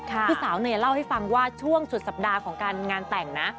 พี่สาวเนยเล่าให้ฟังว่าช่วงสุดสัปดาห์ของการงานแต่งนะ